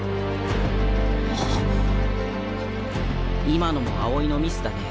今のも青井のミスだね。